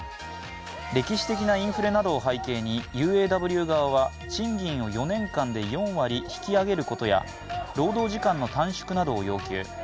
歴史的なインフレなどを背景にＵＡＷ側は賃金を４年間で４割引き上げることや労働時間の短縮などを要求。